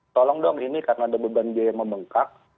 tolong dong ini karena ada beban biaya yang membengkak